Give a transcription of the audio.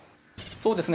そうですね